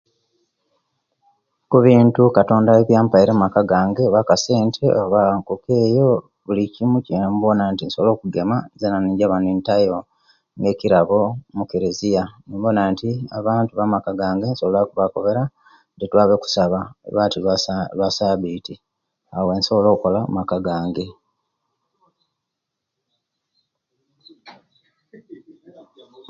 Okubintu okatonda ebyampaile omumaka gange oba kasente oba enkoko eyo buli kimu ekyebona nti nsobola okugema zena ninyaba nitayo nga ekirabo omukeleziya nobona nti abantu bo'mumaka gange nsobola okubakobera nti twabe okusaba olwati lwa sa lwa sabiti awo wensobola okukola omumaka gange.